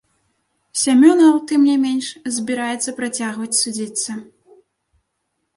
Сямёнаў, тым не менш, збіраецца працягваць судзіцца.